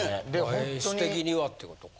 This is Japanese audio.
演出的にはってことか。